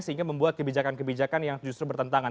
sehingga membuat kebijakan kebijakan yang justru bertentangan